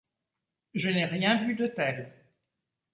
Je n’ai rien vu de tel.